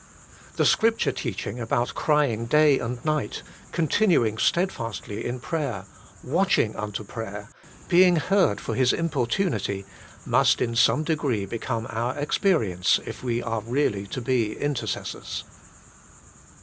The Scripture teaching about crying day and night, continuing steadfastly in prayer, watch ing unto prayer, being heard for his importunity, must in some degree become our experience if we are really to be intercessors.